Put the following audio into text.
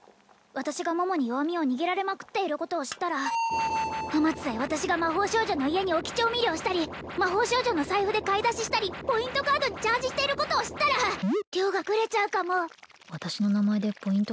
私が桃に弱みを握られまくっていることを知ったらあまつさえ私が魔法少女の家に置き調味料したり魔法少女の財布で買い出ししたりポイントカードにチャージしていることを知ったら良がグレちゃうかも私の名前でポイント